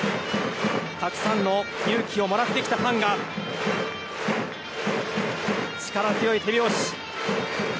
たくさんの勇気をもらってきたファンが力強い手拍子。